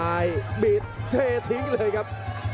อันนี้พยายามจะเน้นข้างซ้ายนะครับ